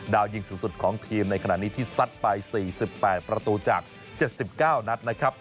ยิงสูงสุดของทีมในขณะนี้ที่ซัดไป๔๘ประตูจาก๗๙นัดนะครับ